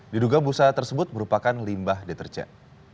diduga busa tersebut merupakan limbah deterjen